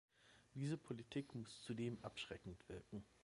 Diese Politik muss zudem abschreckend wirken.